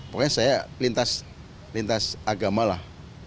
pokoknya saya lintas agama lah